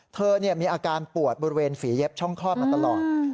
เธอมีอาการปวดบริเวณฝีเย็บช่องคลอดมาตลอด